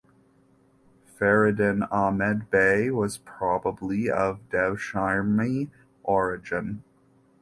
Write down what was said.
Feridun Ahmed Bey was probably of "devshirme" origin.